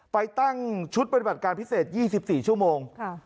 ไปตั้งชุดบริบัติการพิเศษยี่สิบสี่ชั่วโมงค่ะ